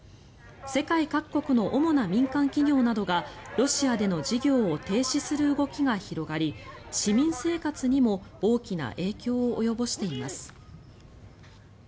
世界各国の主な民間企業などがロシアでの事業を停止する動きが広がり市民生活にも大きな影響を及ぼしています。